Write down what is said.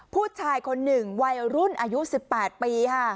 ผู้ชายคนหนึ่งวัยรุ่นอายุ๑๘ปีค่ะ